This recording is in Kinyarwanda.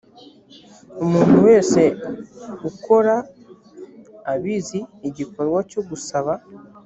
umuntu wese ukora abizi igikorwa cyogusaba